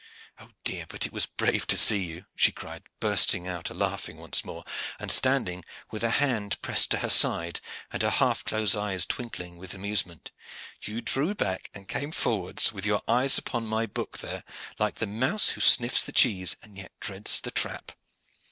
Oh dear, but it was brave to see you!" she cried, bursting out a laughing once more, and standing with her hand pressed to her side, and her half closed eyes twinkling with amusement. "You drew back and came forward with your eyes upon my book there, like the mouse who sniffs the cheese and yet dreads the trap."